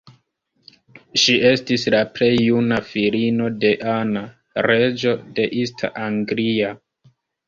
Ŝi estis la plej juna filino de Anna, reĝo de East Anglia.